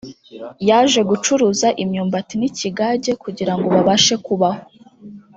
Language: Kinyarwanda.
yaje gucuruza imyumbati n’ikigage kugira ngo babashe kubaho